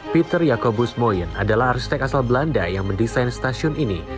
peter yakobus moyen adalah arsitek asal belanda yang mendesain stasiun ini